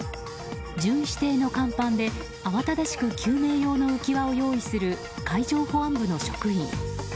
巡視艇の看板で慌ただしく救命用の浮き輪を用意する海上保安部の職員。